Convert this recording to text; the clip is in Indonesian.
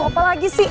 mau apa lagi sih ah